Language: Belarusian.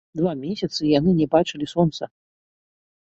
Два месяцы яны не бачылі сонца.